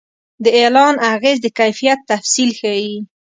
د اعلان اغېز د کیفیت تفصیل ښيي.